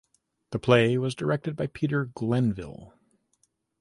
The play was directed by Peter Glenville.